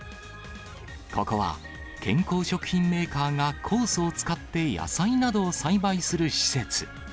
ここは健康食品メーカーが、酵素を使って野菜などを栽培する施設。